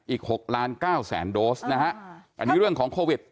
อีก๖๙๐๐๐๐๐โดสนะฮะอันนี้เรื่องของโควิด